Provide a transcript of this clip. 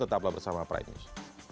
tetaplah bersama prime news